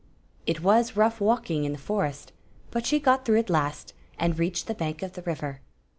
It was rough walking in the forest; but she got through at last, and reached the bank of the river.